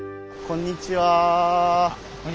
こんにちは。